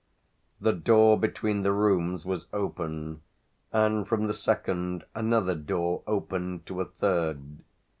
The door between the rooms was open, and from the second another door opened to a third.